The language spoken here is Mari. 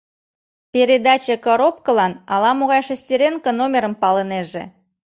Передаче коробкылан ала-могай шестеренко номерым палынеже.